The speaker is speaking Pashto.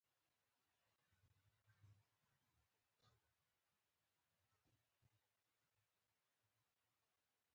هغوی د سپین ماښام له رنګونو سره سندرې هم ویلې.